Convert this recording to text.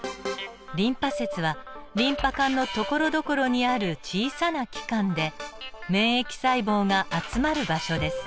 リンパ節はリンパ管のところどころにある小さな器官で免疫細胞が集まる場所です。